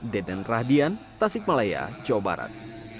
denan radian tasik malaya jawa barat